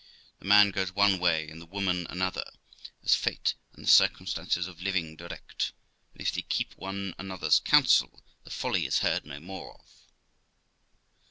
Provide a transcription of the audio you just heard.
The man goes one way and the woman another, as fate and the circum stances of living direct; and, if they keep one another's counsel, the folly is heard no more of.